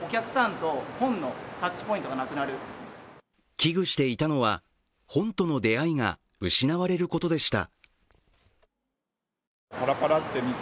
危惧していたのは本との出会いが失われることでした。